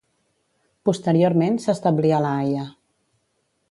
Posteriorment s'establí a La Haia.